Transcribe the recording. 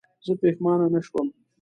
زه پښېمانه نه شوم.